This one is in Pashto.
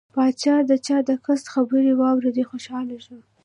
پاچا چې د قاصد خبرې واوریدې خوشحاله شو.